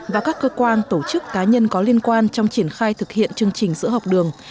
và các cơ quan tổ chức cá nhân có liên quan trong triển khai thực hiện chương trình sữa học đường